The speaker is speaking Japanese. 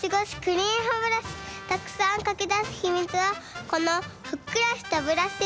たくさんかきだすひみつはこのふっくらしたぶらし。